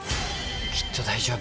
きっと大丈夫。